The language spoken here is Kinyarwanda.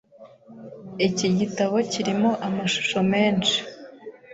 Iki gitabo kirimo amashusho menshi .